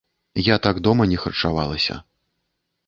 Я так дома не харчавалася.